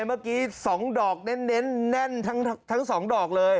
เมื่อกี้๒ดอกเน้นแน่นทั้ง๒ดอกเลย